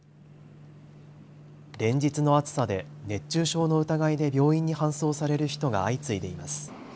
連日の暑さで熱中症の疑いで病院に搬送される人が相次いでいます。